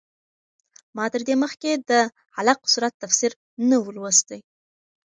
ما تر دې مخکې د علق سورت تفسیر نه و لوستی.